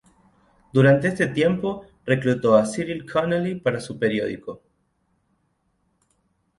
Durante este tiempo reclutó a Cyril Connolly para su periódico.